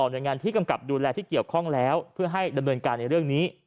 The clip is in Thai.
โดยงานที่กำกับดูแลที่เกี่ยวข้องแล้วเพื่อให้ดำเนินการในเรื่องนี้